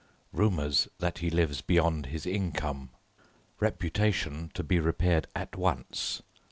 Rumours that he lives beyond his income. Reputation to be repaired at once.